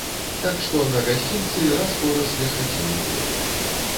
Так што на гасцінцы раз-пораз ляскацелі колы.